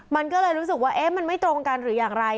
มันก็เลยรู้สึกว่ามันไม่ตรงกันหรืออย่างไร